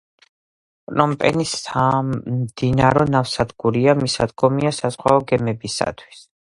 პნომპენი სამდინარო ნავსადგურია, მისადგომია საზღვაო გემებისათვის.